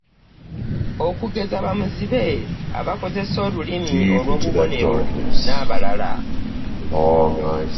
Okugeza; bamuzibe, abakozesa olulimi olw'obubonero n'abalala.